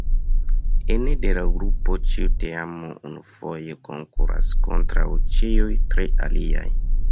Ene de la grupo ĉiu teamo unufoje konkuras kontraŭ ĉiuj tri aliaj.